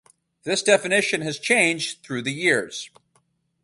This definition has changed through the years.